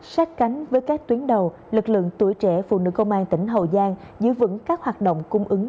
sát cánh với các tuyến đầu lực lượng tuổi trẻ phụ nữ công an tỉnh hậu giang giữ vững các hoạt động cung ứng